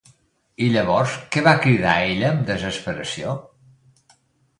I llavors, què va cridar ella amb desesperació?